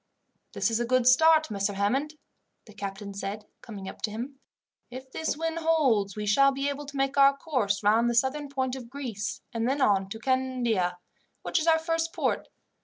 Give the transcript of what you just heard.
"This is a good start, Messer Hammond," the captain said, coming up to him. "If this wind holds, we shall be able to make our course round the southern point of Greece, and then on to Candia, which is our first port.